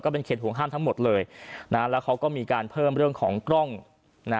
เป็นเขตห่วงห้ามทั้งหมดเลยนะแล้วเขาก็มีการเพิ่มเรื่องของกล้องนะ